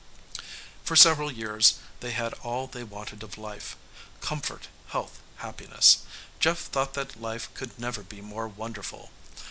For several years, they had all they wanted of life comfort, health, happiness. Jeff thought that life could never be more wonderful.